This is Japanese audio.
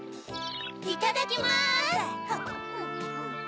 いただきます！